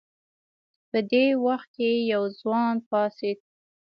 په دې وخت کې یو ځوان پاڅېد.